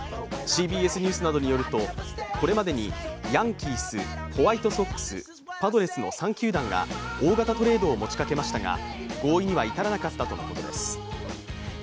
ＣＢＳニュースなどによるとこれまでにヤンキース、ホワイトソックス、パドレスの３球団が大型トレードを持ちかけましたが合意には至らなかったとのことです。